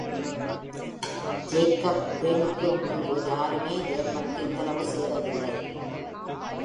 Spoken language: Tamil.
Jakob Grimm-க்கு முன்பு யாருமே ஜெர்மனுக்கு இந்தளவு செய்ததில்லை.